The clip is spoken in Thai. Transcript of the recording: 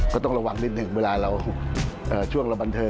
ก็ต้องระวังนิดหนึ่งเวลาเราช่วงเราบันเทิง